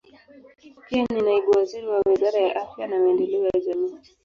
Pia ni naibu waziri wa Wizara ya Afya na Maendeleo ya Jamii.